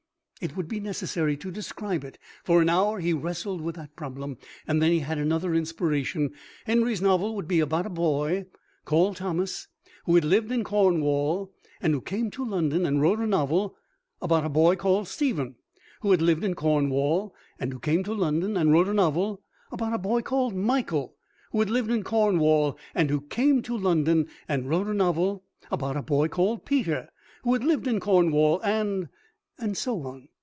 It would be necessary to describe it. For an hour he wrestled with the problem, and then he had another inspiration. Henry's novel would be about a boy called Thomas who had lived in Cornwall and who came to London and wrote a novel {about a boy called Stephen who had lived in Cornwall, and who came to London and wrote a novel (about a boy called Michael who had lived in Cornwall, and who came to London and wrote a novel (about a boy called Peter, who had lived in Cornwall, and ...)... And so on.